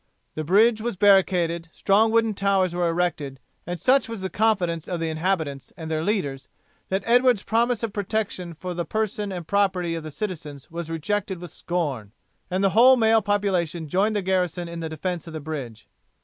The bridge was barricaded, strong wooden towers were erected, and such was the confidence of the inhabitants and their leaders that Edward's promise of protection for the person and property of the citizens was rejected with scorn, and the whole male population joined the garrison in the defence of the bridge.